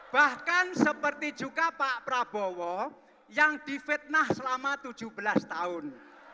bahkan seperti juga pak prabowo yang difitnah selama tujuh belas tahun